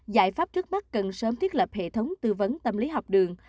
giải pháp trước mắt cần sớm thiết lập hệ thống tư vấn tâm lý học đường